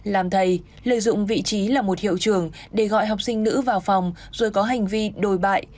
làm thầy lợi dụng vị trí là một hiệu trường để gọi học sinh nữ vào phòng rồi có hành vi đồi bại